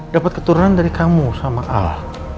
dapet keturunan dari kamu sama al